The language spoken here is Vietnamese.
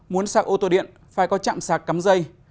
muốn sạc ô tô điện phải có chạm sạc cắm dây